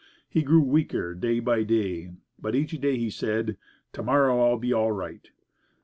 He grew weaker day by day, but each day he said, "To morrow I'll be all right."